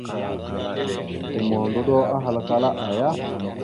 Gomohəndoɗo ahalkala : aaya ?